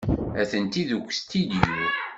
Atenti deg ustidyu.